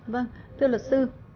vâng thưa luật sư